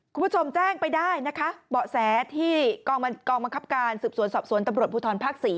คุณผู้ชมแจ้งไปได้นะคะเบาะแสที่กองบังคับการสืบสวนสอบสวนตำรวจภูทรภาค๔